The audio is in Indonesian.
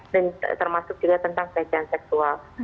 dan termasuk juga tentang kelejahan seksual